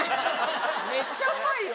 めっちゃうまいよ。